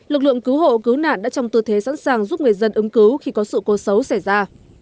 lực lượng cứu hộ cứu nạn đã trong tư thế sẵn sàng giúp người dân ứng cứu khi có sự cố xấu xảy ra